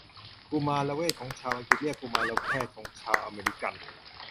กุมารเวชของชาวอังกฤษเรียกกุมารแพทย์ของชาวอเมริกัน